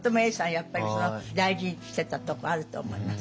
やっぱり大事にしてたとこあると思います。